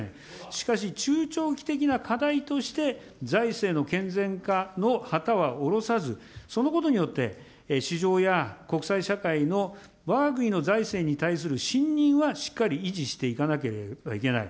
しかし中長期的な課題として財政の健全化の旗は降ろさず、そのことによって市場や国際社会のわが国の財政に対する信任はしっかり維持していかなければいけない。